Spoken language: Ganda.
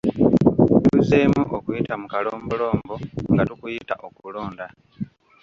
Tuzzeemu okuyita mu kalombolombo nga tukuyita okulonda.